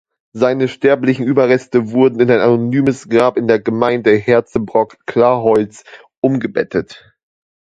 Seine sterblichen Überreste wurden in ein anonymes Grab in der Gemeinde Herzebrock-Clarholz umgebettet.